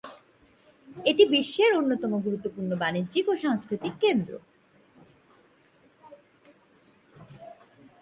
এটি বিশ্বের অন্যতম গুরুত্বপূর্ণ বাণিজ্যিক ও সাংস্কৃতিক কেন্দ্র।